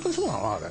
あれ。